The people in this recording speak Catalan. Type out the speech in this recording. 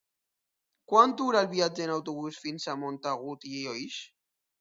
Quant dura el viatge en autobús fins a Montagut i Oix?